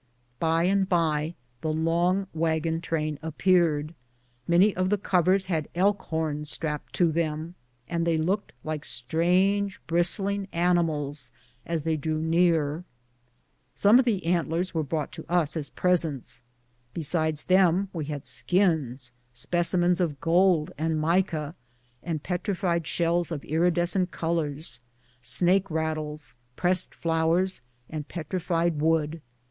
Bj and by the long wagon train appeared. Many of the covers had elk horns strapped to them, until they looked like strange bristling animals as they drew near. Some of the antlers were brought to us as presents. Besides them we had skins, specimens of gold and mica, and petrified shells of iridescent colors, snake rat tles, pressed flowers, and petrified wood.